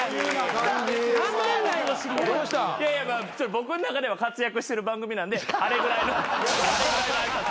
僕の中では活躍してる番組なんであれぐらいの挨拶で。